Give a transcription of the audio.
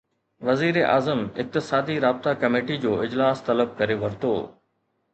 وزيراعظم اقتصادي رابطا ڪميٽي جو اجلاس طلب ڪري ورتو